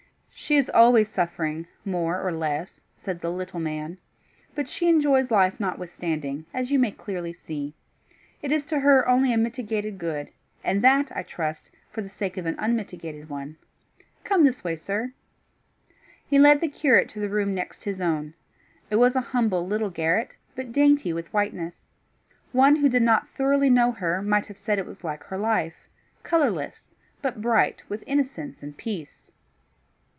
"She is always suffering more or less," said the little man. "But she enjoys life notwithstanding, as you may clearly see. It is to her only a mitigated good, and that, I trust, for the sake of an unmitigated one. Come this way, sir." He led the curate to the room next his own. It was a humble little garret, but dainty with whiteness. One who did not thoroughly know her, might have said it was like her life, colourless, but bright with innocence and peace.